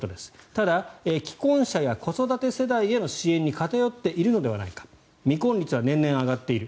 ただ既婚者や子育て世代への支援に偏っているのではないか未婚率は年々上がっている。